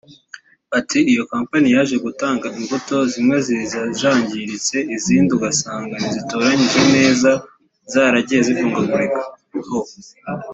Ati “Iyo kampani yaje gutanga imbuto zimwe ziza zangiritse izindi ugasanga ntizitoranyije neza zaragiye zivungagurikaho